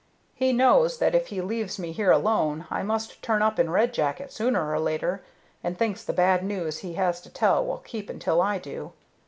He knows that if he leaves me here alone I must turn up in Red Jacket sooner or later, and thinks the bad news he has to tell will keep until I do.